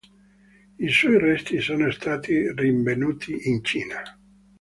I suoi resti sono stati rinvenuti in Cina.